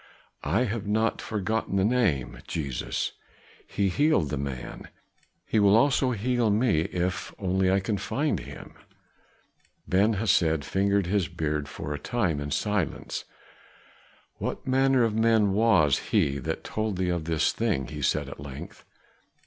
"I have not forgotten the name, Jesus. He healed the man, he will also heal me if only I can find him." Ben Hesed fingered his beard for a time in silence. "What manner of man Was he that told thee of this thing?" he said at length.